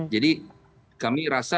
jadi kami rasa